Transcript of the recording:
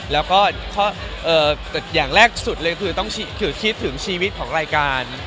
แล้วก็อย่างแรกสุดเลยคือต้องถือคิดถึงชีวิตของรายการ